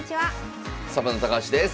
サバンナ高橋です。